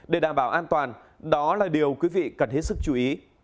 để đảm bảo an toàn đó là điều quý vị cần hết sức chú ý